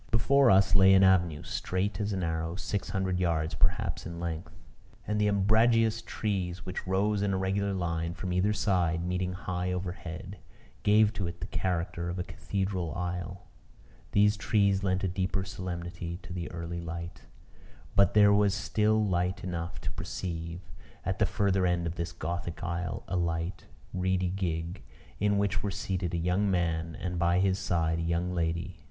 Before us lay an avenue, straight as an arrow, six hundred yards, perhaps, in length; and the umbrageous trees, which rose in a regular line from either side, meeting high overhead, gave to it the character of a cathedral aisle. These trees lent a deeper solemnity to the early light; but there was still light enough to perceive, at the further end of this gothic aisle, a light, reedy gig, in which were seated a young man, and, by his side, a young lady.